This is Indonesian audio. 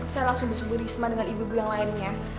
saya langsung besok berisma dengan ibu ibu yang lainnya